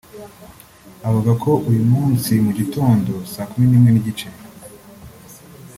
Avuga ko uyu munsi mu gitondo saa kumi n’imwe n’igice